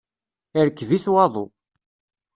Irkeb-it waḍu.